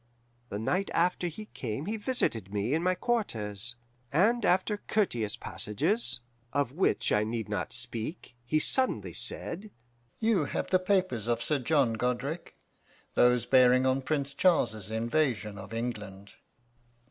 The night after he came he visited me in my quarters, and after courteous passages, of which I need not speak, he suddenly said, 'You have the papers of Sir John Godric those bearing on Prince Charles's invasion of England?